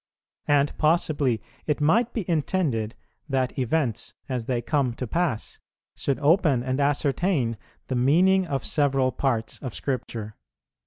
And possibly it might be intended that events, as they come to pass, should open and ascertain the meaning of several parts of Scripture."